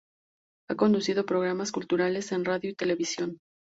Ha conducido programas culturales en radio y televisión.